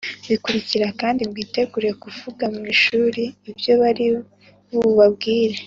bikurikira kandi mwitegure kuvuga mu ishuri ibyo bari bubabwire.